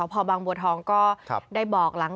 มีรถมันต่อหลังมีรถมันต่อหลัง